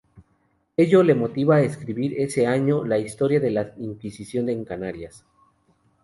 Ello le motiva a escribir, ese año, la "Historia de la Inquisición en Canarias".